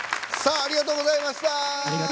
ありがとうございます。